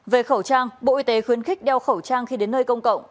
về khẩu trang bộ y tế khuyến khích đeo khẩu trang khi đến nơi công cộng